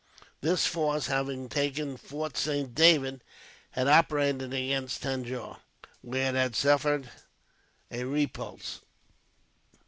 This force, having taken Fort Saint David, had operated against Tanjore, where it had suffered a repulse.